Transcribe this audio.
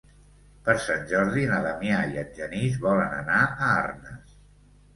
Per Sant Jordi na Damià i en Genís volen anar a Arnes.